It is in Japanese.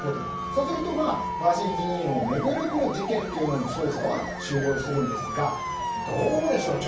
そうするとガーシー議員を巡るこの事件の捜査は終了するんですがどうでしょう